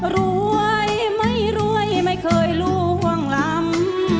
รวยไม่รวยไม่เคยล่วงลำ